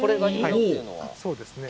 そうですね。